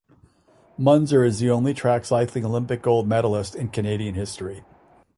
Muenzer is the only track cycling Olympic gold medalist in Canadian history.